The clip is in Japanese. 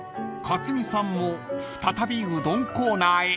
［克実さんも再びうどんコーナーへ］